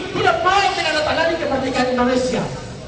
tidak baik dengan datang lagi kemerdekaan indonesia